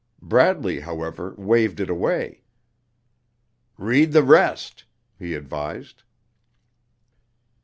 Bradley, however, waved it away. "Read the rest," he advised.